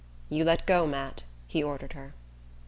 "You let go, Matt," he ordered her.